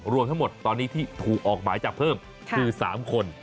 รวมทั้งหมดตอนนี้ที่ถูกออกหมายจับเพิ่มคือ๓คน